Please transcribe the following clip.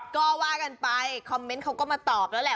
ก็ว่ากันไปคอมเมนต์เขาก็มาตอบแล้วแหละ